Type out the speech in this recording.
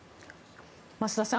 増田さん